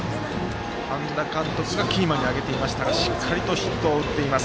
半田監督がキーマンに挙げていましたがしっかりとヒットを打っています。